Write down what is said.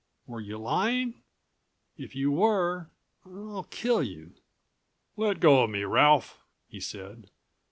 Were you lying? If you were ... I'll kill you." "Let go of me, Ralph," he said.